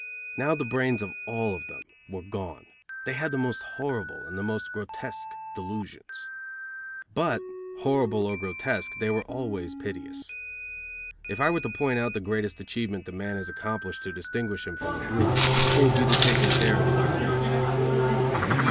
Now the brains of all of them were gone, they had the most horrible and the most grotesque delusions. But horrible or grotesque they were always piteous. If I were to point out the greatest achievement that man has accomplished to distinguish him from the brute, it would be the taking care of the insane.